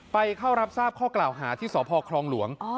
ไปเข้ารับทราบข้อกล่าวหาที่สพคลองหลวง